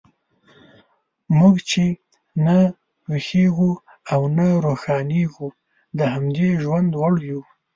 موږ چې نه ویښیږو او نه روښانیږو، د همدې ژوند وړ یو.